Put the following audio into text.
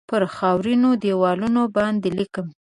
پر خاورینو دیوالونو باندې لیکم